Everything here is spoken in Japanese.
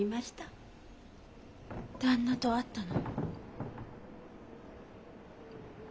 旦那と会ったの？